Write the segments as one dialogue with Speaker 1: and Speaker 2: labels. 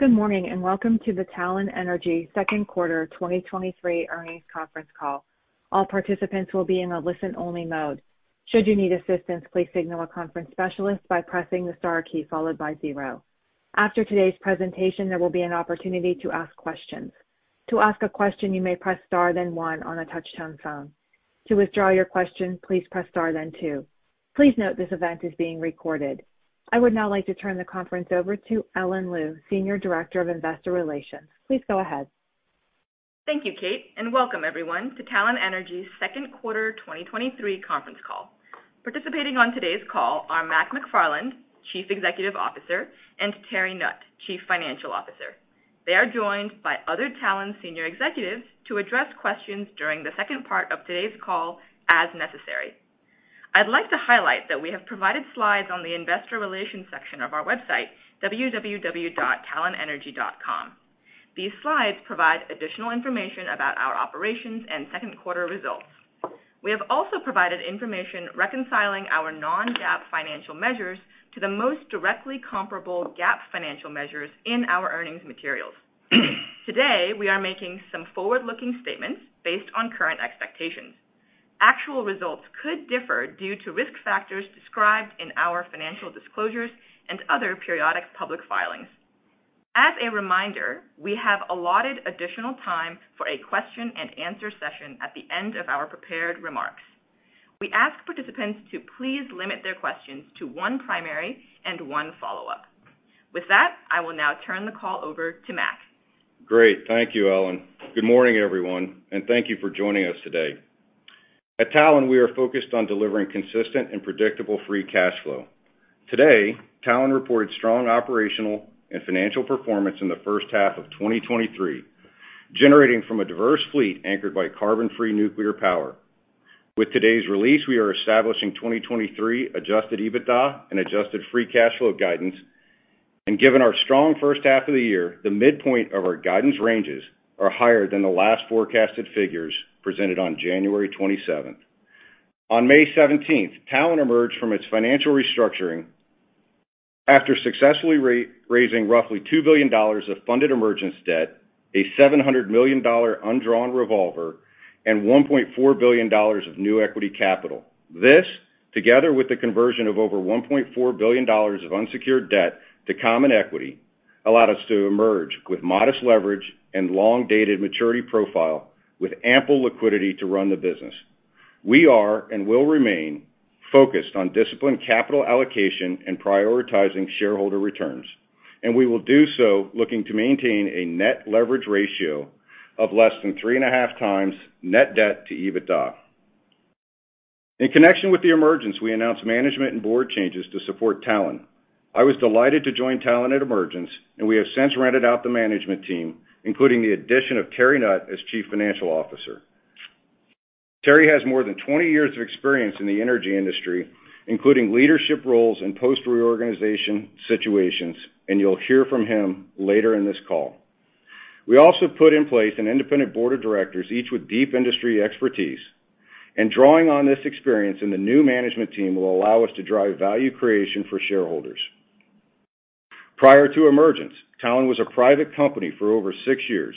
Speaker 1: Good morning, and welcome to the Talen Energy Second Quarter 2023 Earnings Conference Call. All participants will be in a listen-only mode. Should you need assistance, please signal a conference specialist by pressing the star key followed by 0. After today's presentation, there will be an opportunity to ask questions. To ask a question, you may press star, then 1 on a touch-tone phone. To withdraw your question, please press star, then 2. Please note, this event is being recorded. I would now like to turn the conference over to Ellen Liu, Senior Director of Investor Relations. Please go ahead.
Speaker 2: Thank you, Kate, and welcome everyone to Talen Energy's second quarter 2023 conference call. Participating on today's call are Mac McFarland, Chief Executive Officer, and Terry Nutt, Chief Financial Officer. They are joined by other Talen senior executives to address questions during the second part of today's call as necessary. I'd like to highlight that we have provided slides on the investor relations section of our website, www.talenenergy.com. These slides provide additional information about our operations and second-quarter results. We have also provided information reconciling our non-GAAP financial measures to the most directly comparable GAAP financial measures in our earnings materials. Today, we are making some forward-looking statements based on current expectations. Actual results could differ due to risk factors described in our financial disclosures and other periodic public filings. As a reminder, we have allotted additional time for a question-and-answer session at the end of our prepared remarks. We ask participants to please limit their questions to one primary and one follow-up. With that, I will now turn the call over to Mac.
Speaker 3: Great. Thank you, Ellen Liu. Good morning, everyone, and thank you for joining us today. At Talen, we are focused on delivering consistent and predictable Adjusted Free Cash Flow. Today, Talen reported strong operational and financial performance in the first half of 2023, generating from a diverse fleet anchored by carbon-free nuclear power. With today's release, we are establishing 2023 Adjusted EBITDA and Adjusted Free Cash Flow guidance, and given our strong first half of the year, the midpoint of our guidance ranges are higher than the last forecasted figures presented on January 27th. On May 17th, Talen emerged from its financial restructuring after successfully raising roughly $2 billion of funded emergence debt, a $700 million undrawn revolver, and $1.4 billion of new equity capital. This, together with the conversion of over $1.4 billion of unsecured debt to common equity, allowed us to emerge with modest leverage and long-dated maturity profile, with ample liquidity to run the business. We are and will remain focused on disciplined capital allocation and prioritizing shareholder returns, and we will do so looking to maintain a net leverage ratio of less than 3.5x net debt to EBITDA. In connection with the emergence, we announced management and board changes to support Talen. I was delighted to join Talen at Emergence, and we have since rented out the management team, including the addition of Terry Nutt as Chief Financial Officer. Terry has more than 20 years of experience in the energy industry, including leadership roles in post-reorganization situations, and you'll hear from him later in this call. We also put in place an independent board of directors, each with deep industry expertise, and drawing on this experience, and the new management team will allow us to drive value creation for shareholders. Prior to Emergence, Talen was a private company for over 6 years.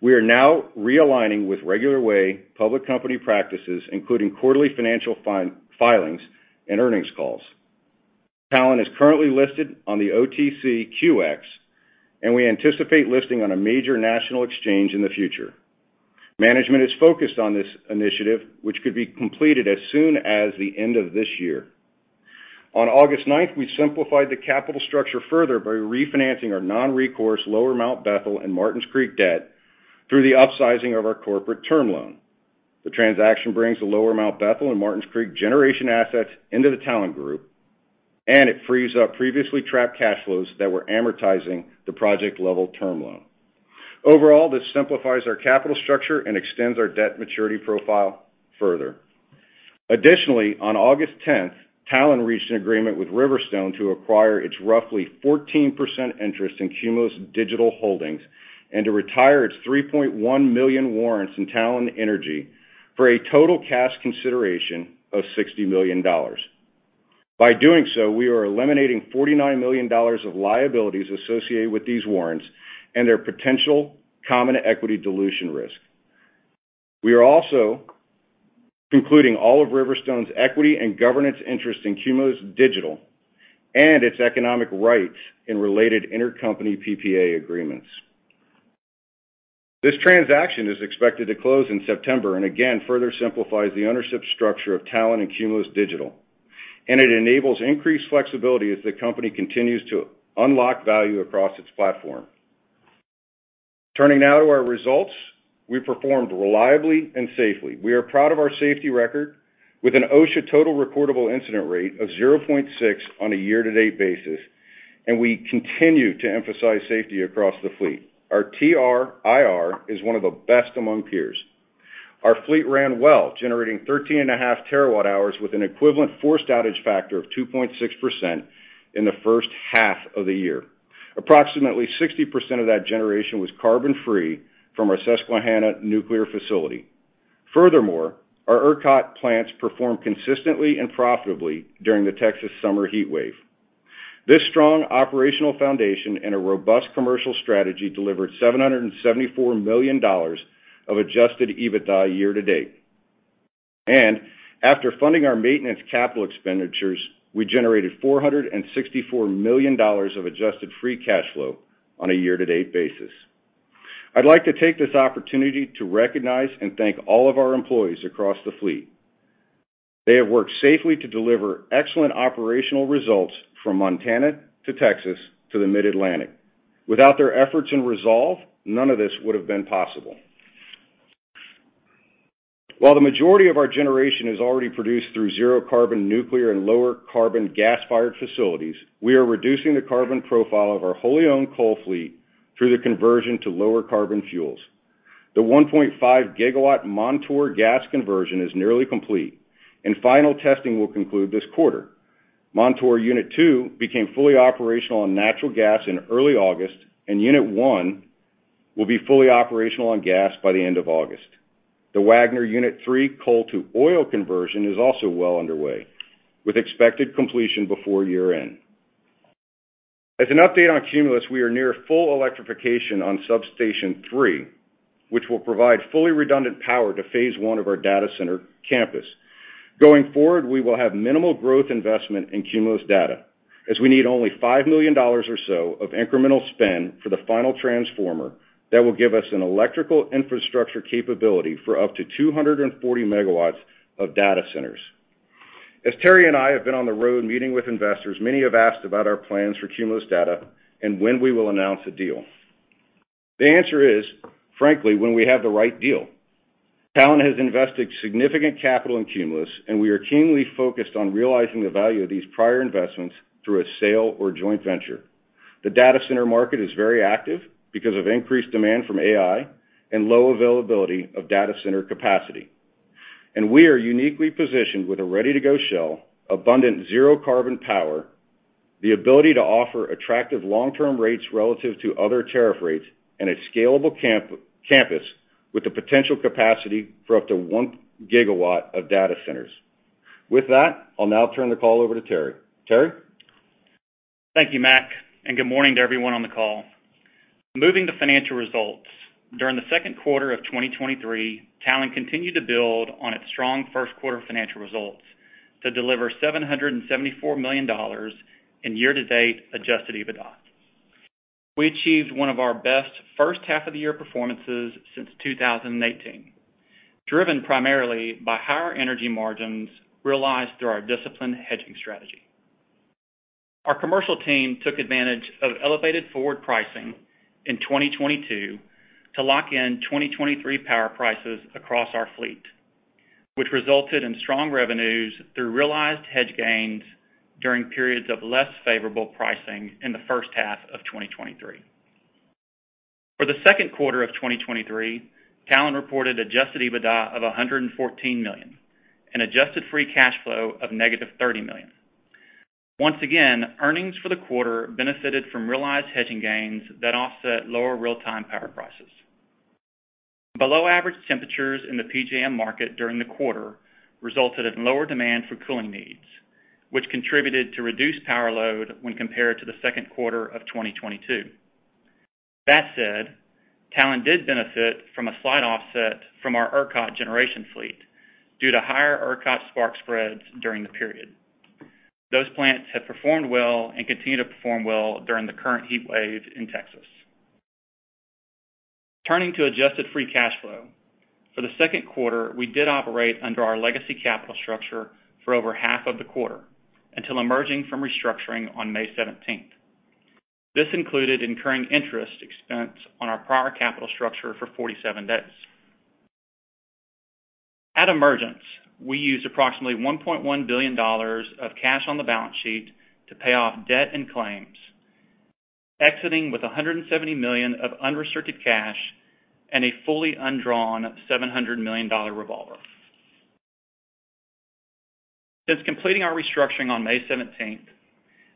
Speaker 3: We are now realigning with regular way public company practices, including quarterly financial filings and earnings calls. Talen is currently listed on the OTCQX, and we anticipate listing on a major national exchange in the future. Management is focused on this initiative, which could be completed as soon as the end of this year. On August ninth, we simplified the capital structure further by refinancing our non-recourse Lower Mount Bethel and Martins Creek debt through the upsizing of our corporate term loan. The transaction brings the Lower Mount Bethel and Martins Creek generation assets into the Talen group, and it frees up previously trapped cash flows that were amortizing the project-level term loan. Overall, this simplifies our capital structure and extends our debt maturity profile further. On August 10th, Talen reached an agreement with Riverstone to acquire its roughly 14% interest in Cumulus Digital Holdings and to retire its 3.1 million warrants in Talen Energy for a total cash consideration of $60 million. By doing so, we are eliminating $49 million of liabilities associated with these warrants and their potential common equity dilution risk. We are also concluding all of Riverstone's equity and governance interest in Cumulus Digital and its economic rights in related intercompany PPA agreements. This transaction is expected to close in September and again, further simplifies the ownership structure of Talen and Cumulus Digital, and it enables increased flexibility as the company continues to unlock value across its platform. Turning now to our results. We performed reliably and safely. We are proud of our safety record, with an OSHA Total Recordable Incident Rate of 0.6 on a year-to-date basis, and we continue to emphasize safety across the fleet. Our TRIR is one of the best among peers. Our fleet ran well, generating 13.5 TWh with an Equivalent Forced Outage Factor of 2.6% in the first half of the year. Approximately 60% of that generation was carbon-free from our Susquehanna nuclear facility.... Our ERCOT plants performed consistently and profitably during the Texas summer heatwave. This strong operational foundation and a robust commercial strategy delivered $774 million of Adjusted EBITDA year-to-date. After funding our maintenance capital expenditures, we generated $464 million of Adjusted Free Cash Flow on a year-to-date basis. I'd like to take this opportunity to recognize and thank all of our employees across the fleet. They have worked safely to deliver excellent operational results from Montana to Texas to the Mid-Atlantic. Without their efforts and resolve, none of this would have been possible. While the majority of our generation is already produced through zero carbon nuclear and lower carbon gas-fired facilities, we are reducing the carbon profile of our wholly owned coal fleet through the conversion to lower carbon fuels. The 1.5 GW Montour gas conversion is nearly complete, and final testing will conclude this quarter. Montour Unit 2 became fully operational on natural gas in early August. Unit 1 will be fully operational on gas by the end of August. The Wagner Unit 3 coal to oil conversion is also well underway, with expected completion before year-end. As an update on Cumulus, we are near full electrification on Substation 3, which will provide fully redundant power to Phase 1 of our data center campus. Going forward, we will have minimal growth investment in Cumulus Data, as we need only $5 million or so of incremental spend for the final transformer. That will give us an electrical infrastructure capability for up to 240 MW of data centers. As Terry and I have been on the road meeting with investors, many have asked about our plans for Cumulus Data and when we will announce a deal. The answer is, frankly, when we have the right deal. Talen has invested significant capital in Cumulus, we are keenly focused on realizing the value of these prior investments through a sale or joint venture. The data center market is very active because of increased demand from AI and low availability of data center capacity. We are uniquely positioned with a ready-to-go shell, abundant zero-carbon power, the ability to offer attractive long-term rates relative to other tariff rates, and a scalable campus with the potential capacity for up to 1 GW of data centers. With that, I'll now turn the call over to Terry. Terry?
Speaker 4: Thank you, Mac. Good morning to everyone on the call. Moving to financial results. During the second quarter of 2023, Talen continued to build on its strong first quarter financial results to deliver $774 million in year-to-date Adjusted EBITDA. We achieved one of our best first half of the year performances since 2018, driven primarily by higher energy margins realized through our disciplined hedging strategy. Our commercial team took advantage of elevated forward pricing in 2022 to lock in 2023 power prices across our fleet, which resulted in strong revenues through realized hedge gains during periods of less favorable pricing in the first half of 2023. For the second quarter of 2023, Talen reported Adjusted EBITDA of $114 million and Adjusted Free Cash Flow of negative $30 million. Once again, earnings for the quarter benefited from realized hedging gains that offset lower real-time power prices. Below average temperatures in the PJM market during the quarter resulted in lower demand for cooling needs, which contributed to reduced power load when compared to the second quarter of 2022. Talen did benefit from a slight offset from our ERCOT generation fleet due to higher ERCOT spark spreads during the period. Those plants have performed well and continue to perform well during the current heat wave in Texas. Turning to Adjusted Free Cash Flow. For the second quarter, we did operate under our legacy capital structure for over half of the quarter, until emerging from restructuring on May 17th. This included incurring interest expense on our prior capital structure for 47 days. At Emergence, we used approximately $1.1 billion of cash on the balance sheet to pay off debt and claims, exiting with $170 million of unrestricted cash and a fully undrawn $700 million revolver. Since completing our restructuring on May 17th,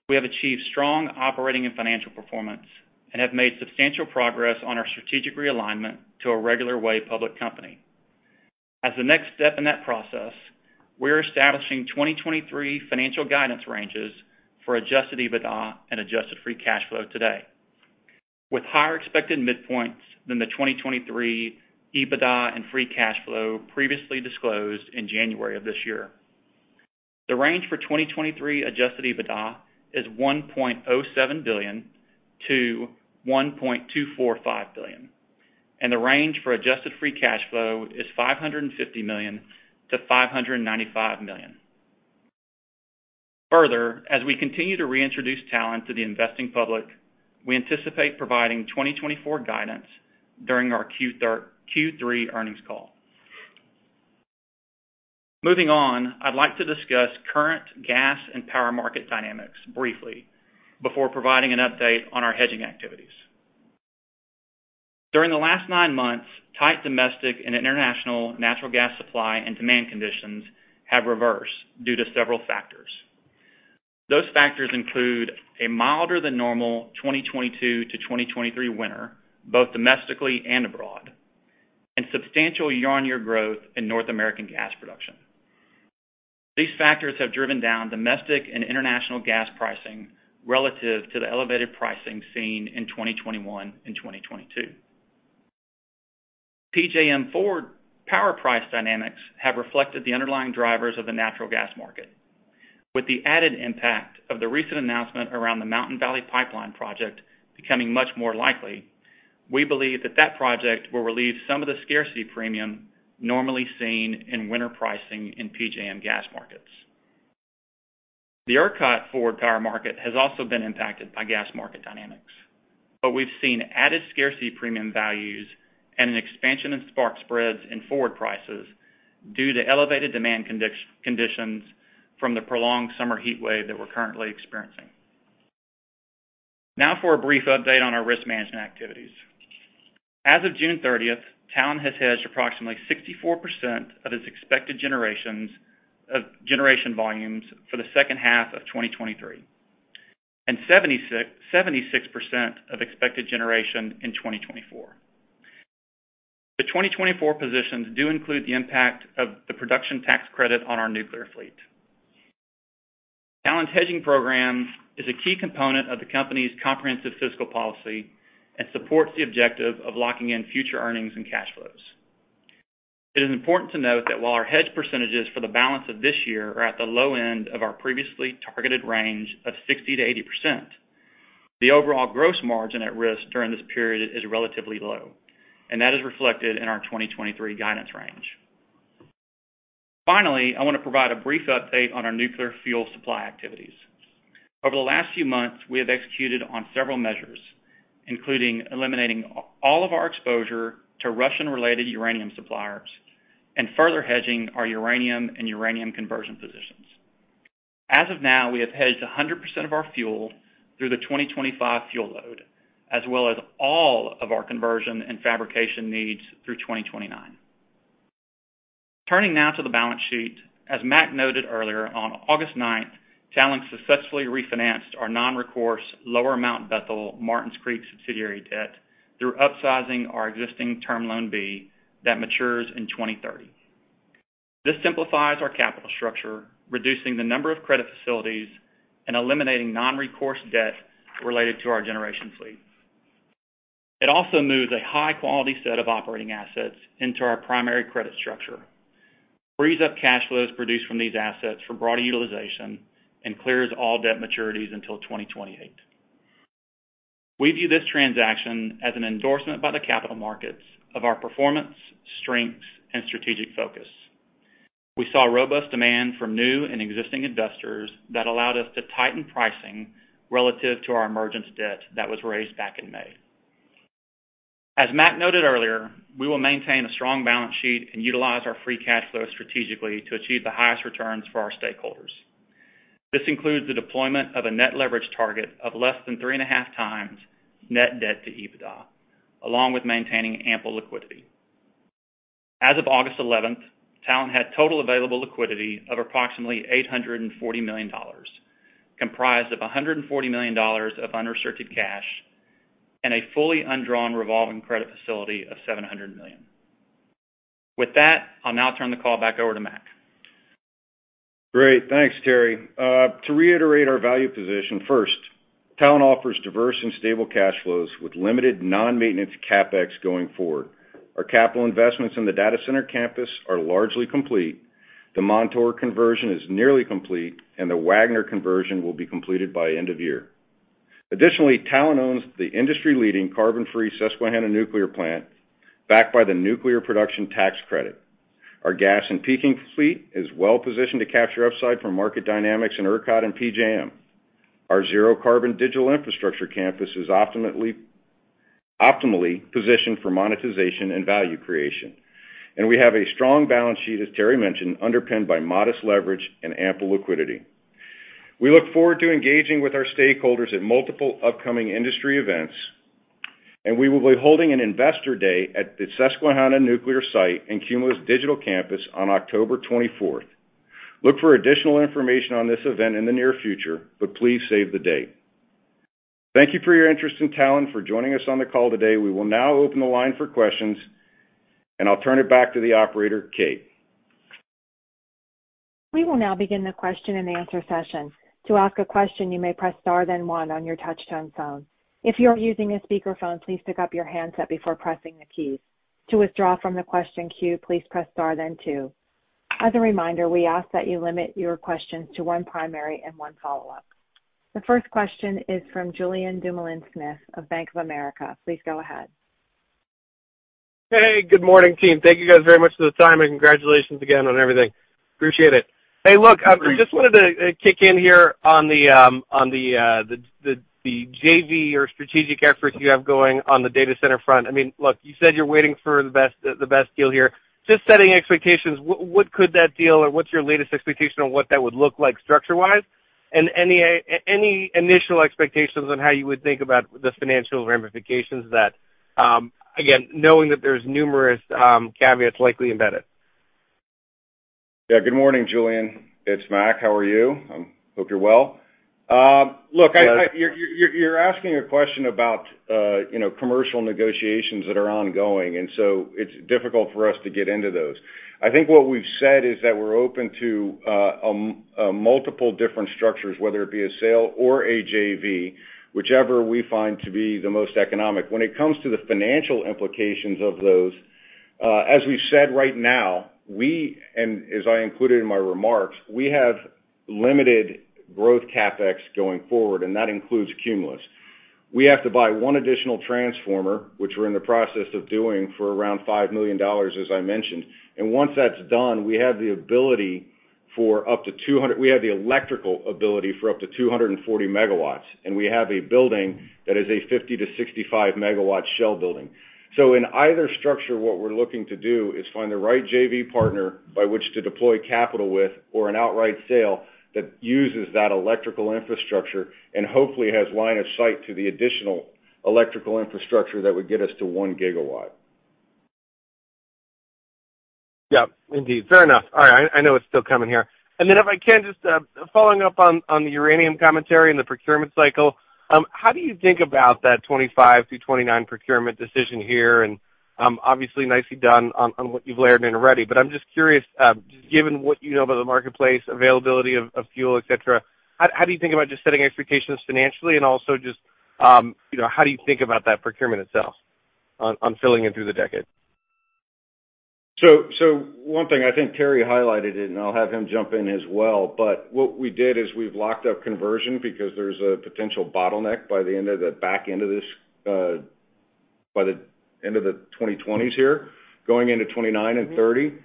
Speaker 4: we have achieved strong operating and financial performance and have made substantial progress on our strategic realignment to a regular way public company. As the next step in that process, we're establishing 2023 financial guidance ranges for Adjusted EBITDA and Adjusted Free Cash Flow today, with higher expected midpoints than the 2023 Adjusted EBITDA and Adjusted Free Cash Flow previously disclosed in January of this year. The range for 2023 Adjusted EBITDA is $1.07 billion-$1.245 billion, and the range for Adjusted Free Cash Flow is $550 million-$595 million. Further, as we continue to reintroduce Talen to the investing public, we anticipate providing 2024 guidance during our Q3 earnings call. Moving on, I'd like to discuss current gas and power market dynamics briefly before providing an update on our hedging activities. During the last 9 months, tight domestic and international natural gas supply and demand conditions have reversed due to several factors. Those factors include a milder than normal 2022-2023 winter, both domestically and abroad, and substantial year-on-year growth in North American gas production. These factors have driven down domestic and international gas pricing relative to the elevated pricing seen in 2021 and 2022. PJM forward power price dynamics have reflected the underlying drivers of the natural gas market. With the added impact of the recent announcement around the Mountain Valley Pipeline project becoming much more likely, we believe that that project will relieve some of the scarcity premium normally seen in winter pricing in PJM gas markets. The ERCOT forward power market has also been impacted by gas market dynamics, but we've seen added scarcity premium values and an expansion in spark spreads in forward prices due to elevated demand conditions from the prolonged summer heat wave that we're currently experiencing. Now for a brief update on our risk management activities. As of June 30th, Talen has hedged approximately 64% of its expected generation volumes for the second half of 2023, and 76% of expected generation in 2024. The 2024 positions do include the impact of the production tax credit on our nuclear fleet. Talen's hedging program is a key component of the company's comprehensive fiscal policy and supports the objective of locking in future earnings and cash flows. It is important to note that while our hedge percentages for the balance of this year are at the low end of our previously targeted range of 60%-80%, the overall gross margin at risk during this period is relatively low, and that is reflected in our 2023 guidance range. Finally, I want to provide a brief update on our nuclear fuel supply activities. Over the last few months, we have executed on several measures, including eliminating all of our exposure to Russian-related uranium suppliers and further hedging our uranium and uranium conversion positions. As of now, we have hedged 100% of our fuel through the 2025 fuel load, as well as all of our conversion and fabrication needs through 2029. Turning now to the balance sheet. As Mac noted earlier, on August 9th, Talen successfully refinanced our non-recourse Lower Mount Bethel, Martins Creek subsidiary debt through upsizing our existing Term Loan B that matures in 2030. This simplifies our capital structure, reducing the number of credit facilities and eliminating non-recourse debt related to our generation fleet. It also moves a high-quality set of operating assets into our primary credit structure, frees up cash flows produced from these assets for broader utilization, and clears all debt maturities until 2028. We view this transaction as an endorsement by the capital markets of our performance, strengths, and strategic focus. We saw robust demand from new and existing investors that allowed us to tighten pricing relative to our emergence debt that was raised back in May. As Mac noted earlier, we will maintain a strong balance sheet and utilize our free cash flow strategically to achieve the highest returns for our stakeholders. This includes the deployment of a net leverage target of less than 3.5x net debt to Adjusted EBITDA, along with maintaining ample liquidity. As of August 11th, Talen had total available liquidity of approximately $840 million, comprised of $140 million of unrestricted cash and a fully undrawn revolving credit facility of $700 million. With that, I'll now turn the call back over to Mac.
Speaker 3: Great. Thanks, Terry. To reiterate our value position, first, Talen offers diverse and stable cash flows with limited non-maintenance CapEx going forward. Our capital investments in the data center campus are largely complete, the Montour conversion is nearly complete, and the Wagner conversion will be completed by end of year. Additionally, Talen owns the industry-leading carbon-free Susquehanna Nuclear Plant, backed by the nuclear production tax credit. Our gas and peaking fleet is well positioned to capture upside from market dynamics in ERCOT and PJM. Our zero carbon digital infrastructure campus is optimally, optimally positioned for monetization and value creation, and we have a strong balance sheet, as Terry mentioned, underpinned by modest leverage and ample liquidity. We look forward to engaging with our stakeholders at multiple upcoming industry events, and we will be holding an investor day at the Susquehanna Nuclear Site and Cumulus Digital Campus on October 24th. Look for additional information on this event in the near future, but please save the date. Thank you for your interest in Talen, for joining us on the call today. We will now open the line for questions, and I'll turn it back to the operator, Kate.
Speaker 1: We will now begin the question-and-answer session. To ask a question, you may press Star, then One on your touchtone phone. If you are using a speakerphone, please pick up your handset before pressing the keys. To withdraw from the question queue, please press Star, then Two. As a reminder, we ask that you limit your questions to one primary and one follow-up. The first question is from Julien Dumoulin-Smith of Bank of America. Please go ahead.
Speaker 5: Hey, good morning, team. Thank you guys very much for the time, and congratulations again on everything. Appreciate it. Hey, look, just wanted to kick in here on the JV or strategic efforts you have going on the data center front. I mean, look, you said you're waiting for the best, the best deal here. Just setting expectations, what could that deal or what's your latest expectation on what that would look like structure-wise? Any initial expectations on how you would think about the financial ramifications of that, again, knowing that there's numerous caveats likely embedded?
Speaker 3: Yeah, good morning, Julien. It's Mac. How are you? Hope you're well. Look, you're, you're, you're asking a question about, you know, commercial negotiations that are ongoing, so it's difficult for us to get into those. I think what we've said is that we're open to multiple different structures, whether it be a sale or a JV, whichever we find to be the most economic. When it comes to the financial implications of those, as we've said right now, we, and as I included in my remarks, we have limited growth CapEx going forward, and that includes Cumulus. We have to buy one additional transformer, which we're in the process of doing for around $5 million, as I mentioned. Once that's done, we have the electrical ability for up to 240 MW, and we have a building that is a 50-65 MW shell building. In either structure, what we're looking to do is find the right JV partner by which to deploy capital with, or an outright sale that uses that electrical infrastructure and hopefully has line of sight to the additional electrical infrastructure that would get us to 1 GW.
Speaker 5: Yeah, indeed. Fair enough. All right, I, I know it's still coming here. Then, if I can, just, following up on, on the uranium commentary and the procurement cycle. How do you think about that 25-29 procurement decision here? Obviously nicely done on, on what you've layered in already. I'm just curious, just given what you know about the marketplace, availability of, of fuel, et cetera, how, how do you think about just setting expectations financially, and also just, you know, how do you think about that procurement itself on, on filling in through the decade?
Speaker 3: One thing I think Terry highlighted it, and I'll have him jump in as well, but what we did is we've locked up conversion because there's a potential bottleneck by the end of the back end of this, by the end of the 2020s here, going into 2029 and 2030.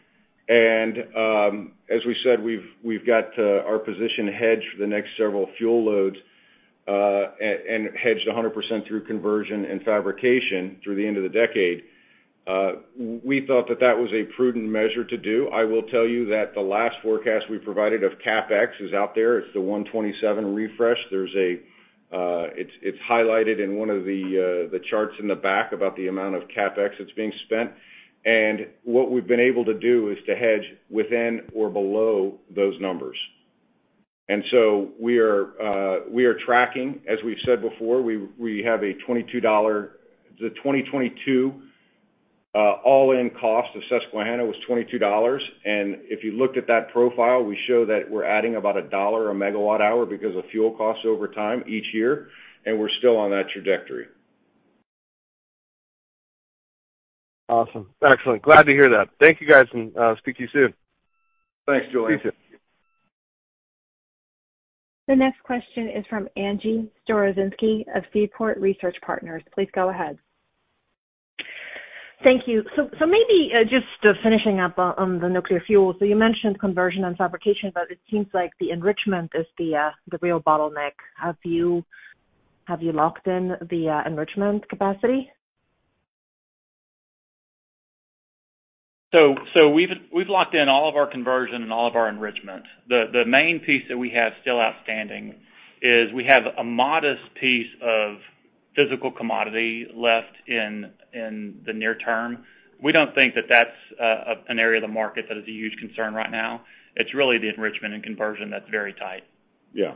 Speaker 3: As we said, we've, we've got our position hedged for the next several fuel loads and hedged 100% through conversion and fabrication through the end of the decade. We thought that that was a prudent measure to do. I will tell you that the last forecast we provided of CapEx is out there. It's the 1/27 refresh. There's a, it's, it's highlighted in one of the, the charts in the back about the amount of CapEx that's being spent. What we've been able to do is to hedge within or below those numbers. We are, we are tracking, as we've said before, we, we have a $22-- the 2022, all-in cost of Susquehanna was $22. If you looked at that profile, we show that we're adding about $1 a megawatt hour because of fuel costs over time each year, and we're still on that trajectory.
Speaker 5: Awesome. Excellent. Glad to hear that. Thank you, guys, and speak to you soon.
Speaker 3: Thanks, Julien.
Speaker 5: Appreciate it.
Speaker 1: The next question is from Angie Storozynski of Seaport Research Partners. Please go ahead.
Speaker 6: Thank you. So maybe, just finishing up on, on the nuclear fuel. You mentioned conversion and fabrication, but it seems like the enrichment is the real bottleneck. Have you, have you locked in the enrichment capacity?
Speaker 4: we've locked in all of our conversion and all of our enrichment. The main piece that we have still outstanding is we have a modest piece of physical commodity left in the near term. We don't think that that's an area of the market that is a huge concern right now. It's really the enrichment and conversion that's very tight.
Speaker 3: Yeah.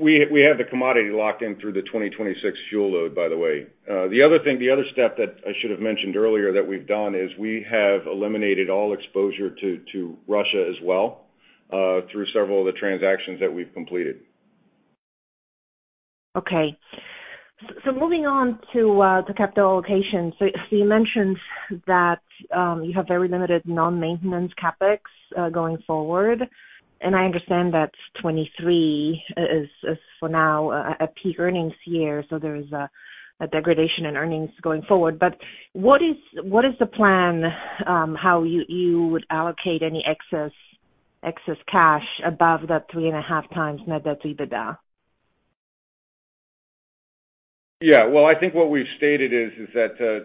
Speaker 3: We, we have the commodity locked in through the 2026 fuel load, by the way. The other thing the other step that I should have mentioned earlier that we've done, is we have eliminated all exposure to, to Russia as well, through several of the transactions that we've completed.
Speaker 6: Okay. Moving on to capital allocation. You mentioned that you have very limited non-maintenance CapEx going forward, and I understand that 23 is for now a peak earnings year, so there is a degradation in earnings going forward. What is, what is the plan, how you would allocate any excess cash above that 3.5x net debt to EBITDA?
Speaker 3: Yeah. Well, I think what we've stated is, is that,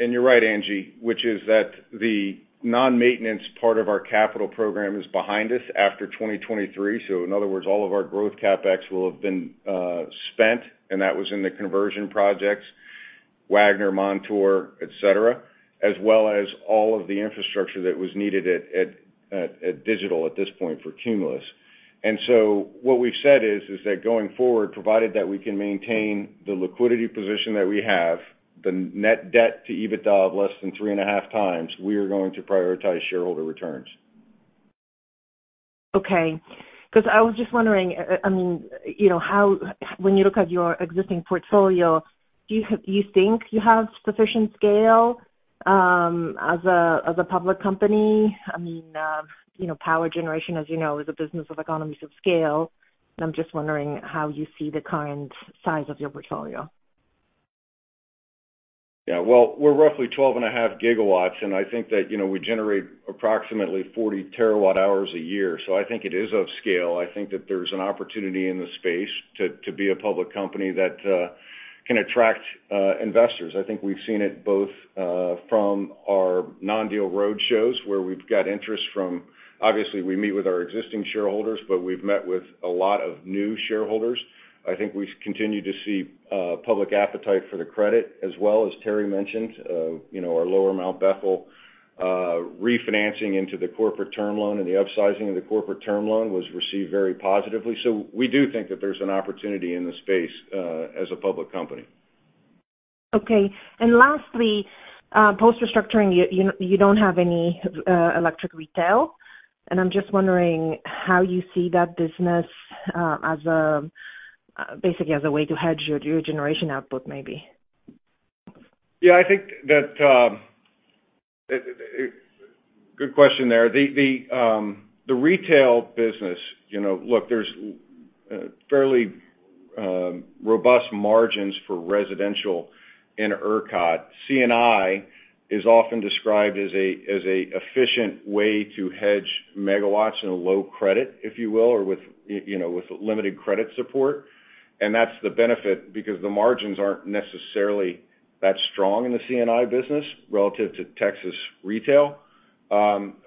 Speaker 3: and you're right, Angie, which is that the non-maintenance part of our capital program is behind us after 2023. In other words, all of our growth CapEx will have been spent, and that was in the conversion projects, Wagner, Montour, et cetera, as well as all of the infrastructure that was needed at Digital at this point for Cumulus. What we've said is, is that going forward, provided that we can maintain the liquidity position that we have, the net debt to EBITDA of less than 3.5 times, we are going to prioritize shareholder returns.
Speaker 6: Okay. I was just wondering, I mean, you know, when you look at your existing portfolio, do you, do you think you have sufficient scale, as a, as a public company? I mean, you know, power generation, as you know, is a business of economies of scale, and I'm just wondering how you see the current size of your portfolio.
Speaker 3: Yeah. Well, we're roughly 12.5 GW, and I think that, you know, we generate approximately 40 TWh a year, so I think it is of scale. I think that there's an opportunity in the space to, to be a public company that can attract investors. I think we've seen it both from our non-deal roadshows, where we've got interest, obviously, we meet with our existing shareholders, but we've met with a lot of new shareholders. I think we've continued to see public appetite for the credit as well. As Terry mentioned, you know, our Lower Mount Bethel refinancing into the corporate term loan and the upsizing of the corporate term loan was received very positively. We do think that there's an opportunity in this space as a public company.
Speaker 6: Okay. lastly, post-restructuring, you, you, you don't have any electric retail, and I'm just wondering how you see that business, as a, basically, as a way to hedge your generation output, maybe.
Speaker 3: Yeah, I think that, good question there. The, the, the retail business, you know, look, there's, fairly, robust margins for residential in ERCOT. CNI is often described as a, as a efficient way to hedge megawatts in a low credit, if you will, or with, you, you know, with limited credit support. That's the benefit, because the margins aren't necessarily that strong in the CNI business relative to Texas retail.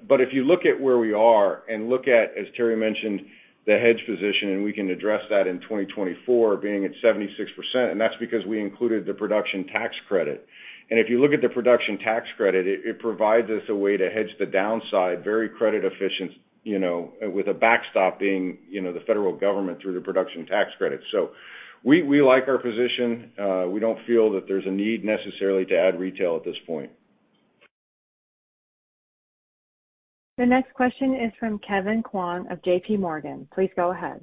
Speaker 3: If you look at where we are and look at, as Terry mentioned, the hedge position, and we can address that in 2024 being at 76%, and that's because we included the production tax credit. If you look at the production tax credit, it provides us a way to hedge the downside, very credit efficient, you know, with a backstop being, you know, the federal government through the production tax credit. We, we like our position. We don't feel that there's a need necessarily to add retail at this point.
Speaker 1: The next question is from Kevin Kwan of J.P. Morgan. Please go ahead.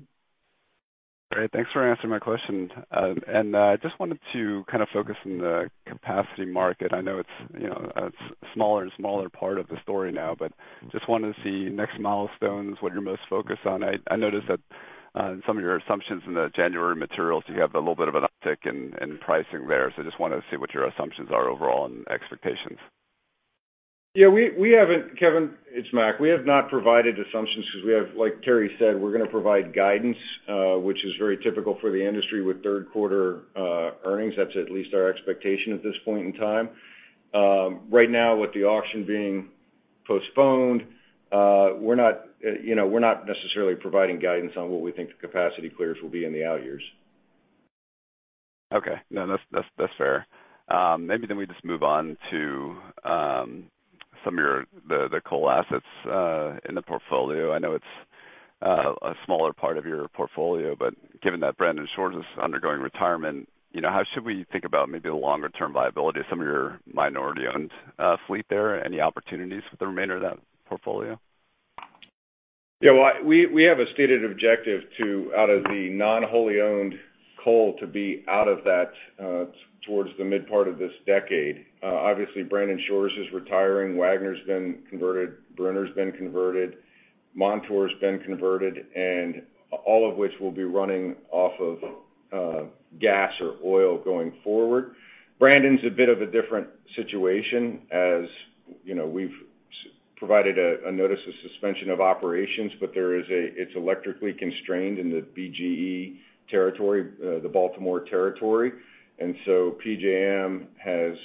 Speaker 7: Great, thanks for answering my question. I just wanted to kind of focus on the capacity market. I know it's, you know, a smaller and smaller part of the story now, but just wanted to see next milestones, what you're most focused on. I, I noticed that in some of your assumptions in the January materials, you have a little bit of an uptick in, in pricing there. Just wanted to see what your assumptions are overall and expectations.
Speaker 3: Yeah, we, we haven't-- Kevin, it's Mac. We have not provided assumptions because we have, like Terry said, we're going to provide guidance, which is very typical for the industry with third quarter earnings. That's at least our expectation at this point in time. Right now, with the auction being postponed, we're not, you know, we're not necessarily providing guidance on what we think the capacity clears will be in the out years.
Speaker 7: Okay. No, that's, that's, that's fair. Maybe we just move on to some of your-- the, the coal assets in the portfolio. I know it's a smaller part of your portfolio, but given that Brandon Shores is undergoing retirement, you know, how should we think about maybe the longer-term viability of some of your minority-owned fleet there? Any opportunities for the remainder of that portfolio?
Speaker 3: Yeah, well, we, we have a stated objective to, out of the non-wholly owned coal, to be out of that, towards the mid part of this decade. Obviously, Brandon Shores is retiring. Wagner's been converted, Brunner's been converted, Montour's been converted, and all of which will be running off of gas or oil going forward. Brandon's a bit of a different situation, as you know, we've provided a notice of suspension of operations, but there is a-- it's electrically constrained in the BGE territory, the Baltimore territory. So PJM has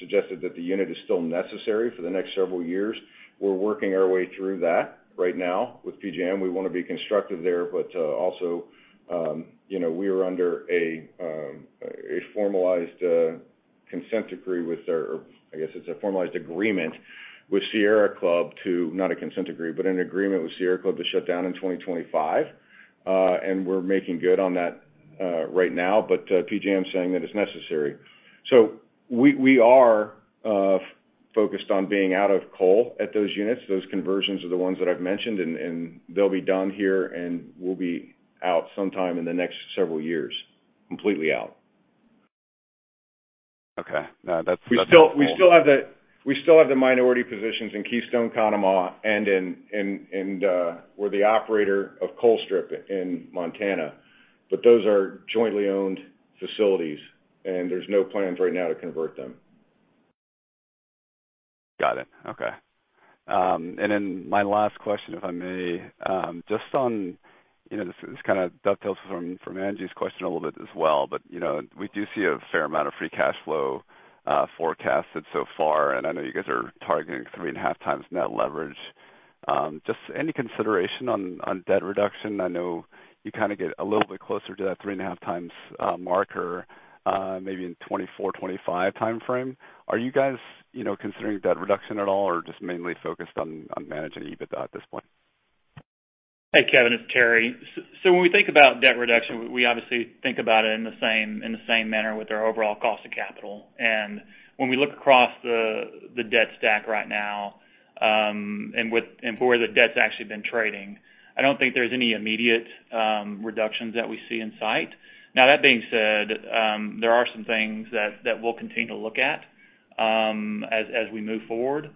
Speaker 3: suggested that the unit is still necessary for the next several years. We're working our way through that right now with PJM. We want to be constructive there, but also, you know, we are under a formalized consent decree with our-- or I guess it's a formalized agreement with Sierra Club to, not a consent decree, but an agreement with Sierra Club to shut down in 2025, and we're making good on that right now. PJM is saying that it's necessary. We, we are focused on being out of coal at those units. Those conversions are the ones that I've mentioned, and, and they'll be done here, and we'll be out sometime in the next several years. Completely out.
Speaker 7: Okay. No, that's.
Speaker 3: We still have the minority positions in Keystone, Conemaugh, and in, we're the operator of Colstrip in Montana, but those are jointly owned facilities, and there's no plans right now to convert them.
Speaker 7: Got it. Okay. Then my last question, if I may, just on, you know, this, this kind of dovetails from, from Angie's question a little bit as well, but, you know, we do see a fair amount of free cash flow forecasted so far, and I know you guys are targeting 3.5x net leverage. Just any consideration on, on debt reduction? I know you kind of get a little bit closer to that 3.5x marker, maybe in 2024, 2025 timeframe. Are you guys, you know, considering debt reduction at all, or just mainly focused on, on managing EBITDA at this point?
Speaker 4: Hey, Kevin, it's Terry. When we think about debt reduction, we obviously think about it in the same, in the same manner with our overall cost of capital. When we look across the, the debt stack right now, and with- and where the debt's actually been trading, I don't think there's any immediate reductions that we see in sight. Now, that being said, there are some things that, that we'll continue to look at, as, as we move forward.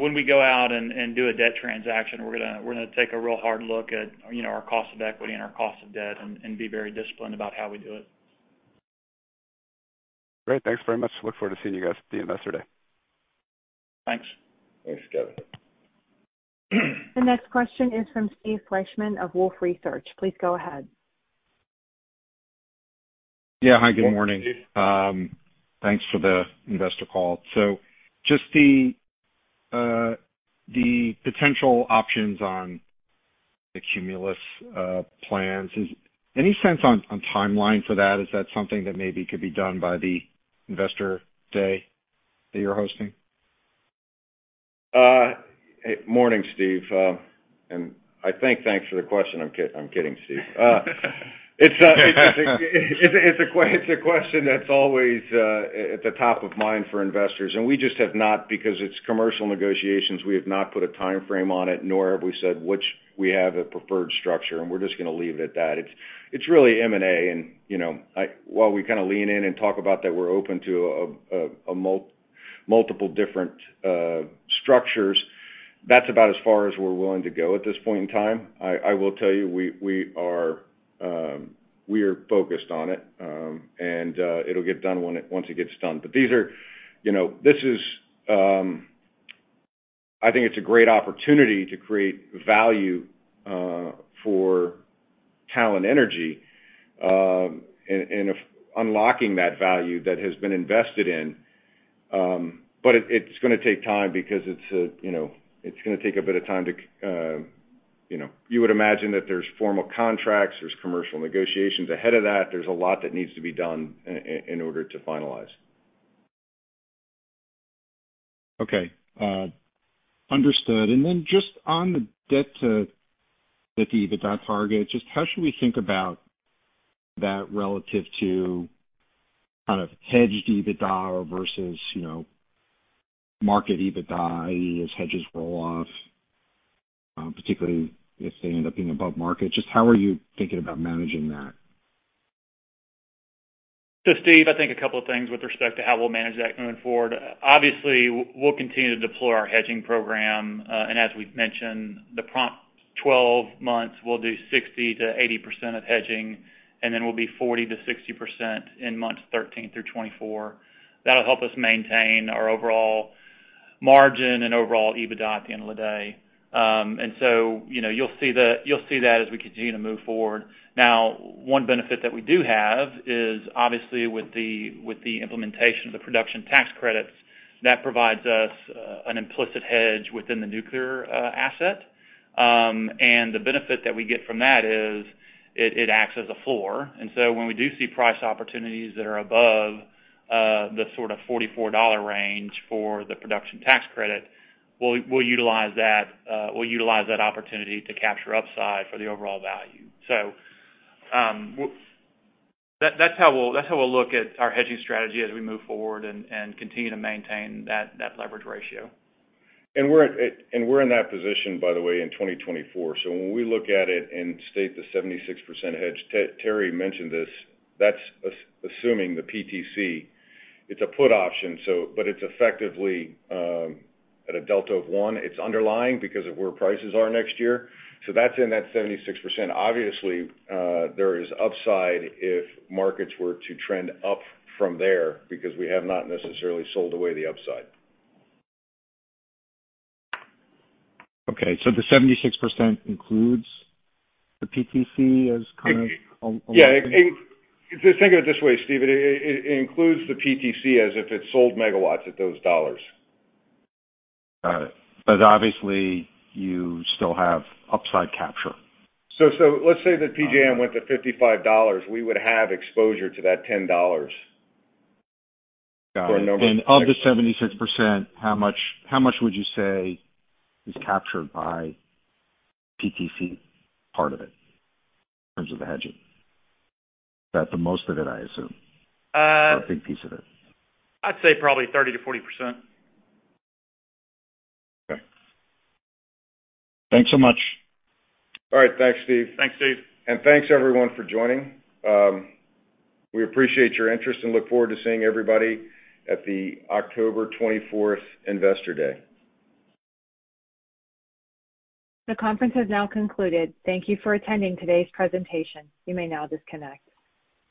Speaker 4: When we go out and, and do a debt transaction, we're gonna, we're gonna take a real hard look at, you know, our cost of equity and our cost of debt and, and be very disciplined about how we do it.
Speaker 7: Great. Thanks very much. Look forward to seeing you guys at the Investor Day.
Speaker 4: Thanks.
Speaker 3: Thanks, Kevin.
Speaker 1: The next question is from Steve Fleishman of Wolfe Research. Please go ahead.
Speaker 8: Hi, good morning. Thanks for the investor call. Just the potential options on the Cumulus plans, is any sense on, on timeline for that? Is that something that maybe could be done by the investor day that you're hosting?
Speaker 3: Morning, Steve. I think thanks for the question. I'm kidding, Steve. It's, it's, it's a question that's always at the top of mind for investors, and we just have not, because it's commercial negotiations, we have not put a time frame on it, nor have we said which we have a preferred structure, and we're just gonna leave it at that. It's, it's really M&A, and, you know, while we kind of lean in and talk about that, we're open to a, a, a multiple different structures. That's about as far as we're willing to go at this point in time. I, I will tell you, we, we are, we are focused on it, and it'll get done when once it gets done. These are, you know, this is, I think it's a great opportunity to create value for Talen Energy, and if unlocking that value that has been invested in, it's gonna take time because it's a, you know, it's gonna take a bit of time to, you know. You would imagine that there's formal contracts, there's commercial negotiations. Ahead of that, there's a lot that needs to be done in order to finalize.
Speaker 8: Okay, understood. Then just on the debt to, the EBITDA target, just how should we think about that relative to kind of hedged EBITDA versus, you know, market EBITDA, i.e., as hedges roll off, particularly if they end up being above market? Just how are you thinking about managing that?
Speaker 4: Steve, I think a couple of things with respect to how we'll manage that going forward. Obviously, we'll continue to deploy our hedging program, and as we've mentioned, the prompt 12 months, we'll do 60%-80% of hedging, and then we'll be 40%-60% in months 13 through 24. That'll help us maintain our overall margin and overall EBITDA at the end of the day. And so, you know, you'll see that as we continue to move forward. Now, one benefit that we do have is, obviously, with the, with the implementation of the production tax credits, that provides us an implicit hedge within the nuclear asset. And the benefit that we get from that is, it, it acts as a floor. When we do see price opportunities that are above the sort of $44 range for the production tax credit, we'll, we'll utilize that, we'll utilize that opportunity to capture upside for the overall value. That, that's how we'll, that's how we'll look at our hedging strategy as we move forward and, and continue to maintain that, that leverage ratio.
Speaker 3: We're at, and we're in that position, by the way, in 2024. When we look at it and state the 76% hedge, Terry mentioned this, that's assuming the PTC, it's a put option, so but it's effectively at a delta of one. It's underlying because of where prices are next year. That's in that 76%. Obviously, there is upside if markets were to trend up from there, because we have not necessarily sold away the upside.
Speaker 8: Okay, the 76% includes the PTC as kind of-
Speaker 3: Just think of it this way, Steve. It, it, it includes the PTC as if it sold megawatts at those $.
Speaker 8: Got it. Obviously, you still have upside capture.
Speaker 3: so let's say that PJM went to $55, we would have exposure to that $10.
Speaker 8: Got it. Of the 76%, how much, how much would you say is captured by PTC part of it, in terms of the hedging? That the most of it, I assume, or a big piece of it.
Speaker 4: I'd say probably 30% to 40%.
Speaker 8: Okay. Thanks so much.
Speaker 3: All right. Thanks, Steve.
Speaker 4: Thanks, Steve.
Speaker 3: Thanks, everyone, for joining. We appreciate your interest and look forward to seeing everybody at the October 24th Investor Day.
Speaker 1: The conference has now concluded. Thank you for attending today's presentation. You may now disconnect.